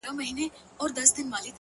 هغه وه تورو غرونو ته رويا وايي،